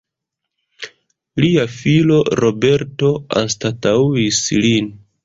Lia filo Roberto anstataŭis lin.